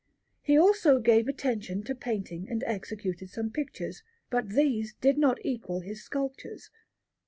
He also gave attention to painting and executed some pictures, but these did not equal his sculptures.